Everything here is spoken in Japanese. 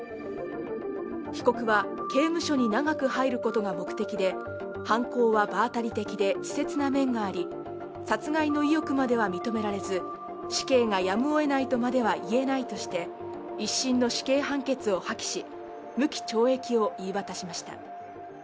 被告は刑務所に長く入ることが目的で、犯行は場当たり的で稚拙な面があり殺害の意欲までは認められず、死刑がやむをえないとまではいえないとして１審の死刑判決を破棄し、無期懲役を言い渡しました。